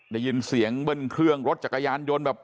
ได้ยินเสียงเบิ้ลเครื่องรถจักรยานยนต์แบบ